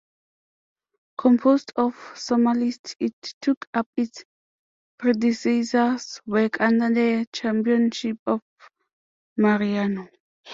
Composed of Somalis, it took up its predecessor's work under the chairmanship of Mariano.